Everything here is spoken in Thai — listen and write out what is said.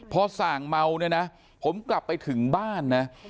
พอส่างเมาเนี่ยนะผมกลับไปถึงบ้านนะ